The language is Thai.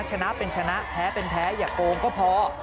ชนะเป็นชนะแพ้เป็นแพ้อย่าโกงก็พอ